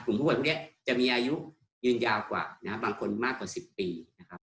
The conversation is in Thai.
กลุ่มผู้บ่อยพวกเนี้ยจะมีอายุยืนยาวกว่านะครับบางคนมากกว่าสิบปีนะครับ